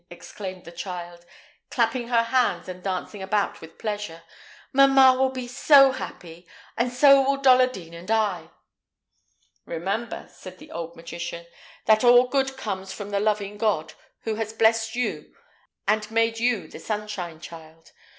exclaimed the child, clapping her hands, and dancing about with pleasure. "Mamma will be so happy, and so will Dolladine and I." "Remember," said the old magician, "that all good comes from the loving God, who has blessed you, and made you the sunshine child.